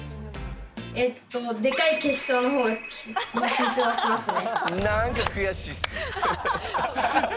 えっとでかい決勝の方が緊張はしますね。